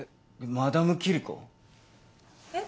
「マダムキリコ」えっ？